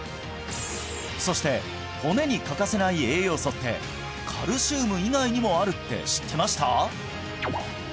そして骨に欠かせない栄養素ってカルシウム以外にもあるって知ってました？